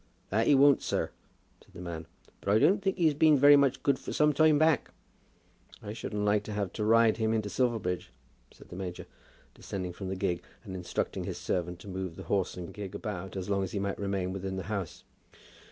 "That he won't, sir," said the man. "But I don't think he's been very much good for some time back." "I shouldn't like to have to ride him into Silverbridge," said the major, descending from the gig, and instructing his servant to move the horse and gig about as long as he might remain within the house.